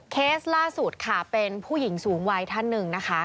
เคสล่าสุดค่ะเป็นผู้หญิงสูงวัยท่านหนึ่งนะคะ